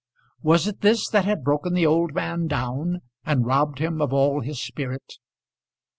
Was it this that had broken the old man down and robbed him of all his spirit?